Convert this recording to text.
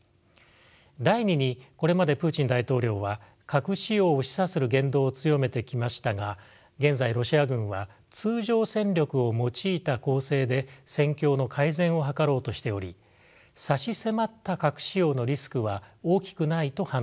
第２にこれまでプーチン大統領は核使用を示唆する言動を強めてきましたが現在ロシア軍は通常戦力を用いた攻勢で戦況の改善を図ろうとしており差し迫った核使用のリスクは大きくないと判断されています。